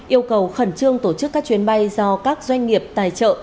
yêu cầu khẩn trương tổ chức các chuyến bay do các doanh nghiệp tài trợ